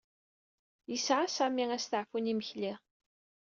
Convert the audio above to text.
Yesɛa Sami asteɛfu n imekli.